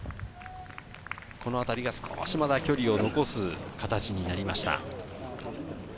このあたりが少し、まだ距離を残す形になりました。